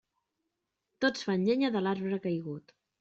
Tots fan llenya de l'arbre caigut.